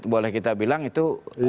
boleh kita bilang itu